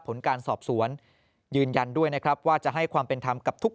ผลการสอบสวนยืนยันด้วยนะครับว่าจะให้ความเป็นธรรมกับทุก